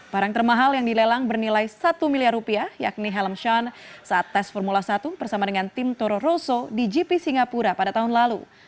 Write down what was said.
barang termahal yang dilelang bernilai satu miliar rupiah yakni helm shan saat tes formula satu bersama dengan tim toro roso di gp singapura pada tahun lalu